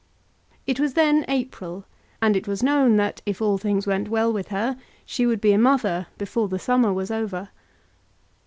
It was then April, and it was known that if all things went well with her, she would be a mother before the summer was over.